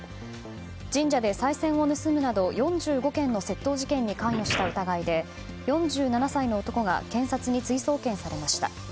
神社でさい銭を盗むなど４５件の窃盗事件に関与した疑いで４７歳の男が検察に追送検されました。